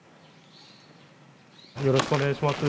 よろしくお願いします。